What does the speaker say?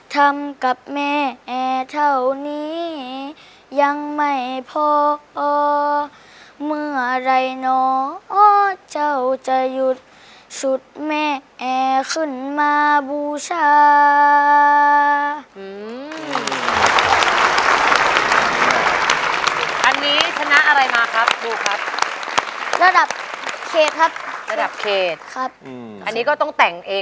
ทำกับแม่แอร์เท่านี้ยังไม่พอเมื่อไหร่เนาะเจ้าจะหยุดสุดแม่แอร์ขึ้นมาบูชา